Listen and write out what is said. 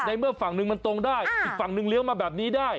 เมื่อฝั่งหนึ่งมันตรงได้อีกฝั่งนึงเลี้ยวมาแบบนี้ได้